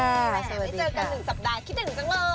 แหมไม่เจอกัน๑สัปดาห์คิดถึงจังเลย